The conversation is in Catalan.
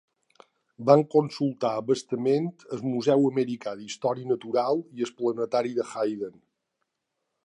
Van consultar abastament el Museu Americà d'Història Natural i el Planetari de Hayden.